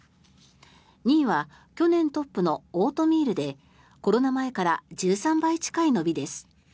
２位は去年トップのオートミールでコロナ前から１３倍近い伸びです。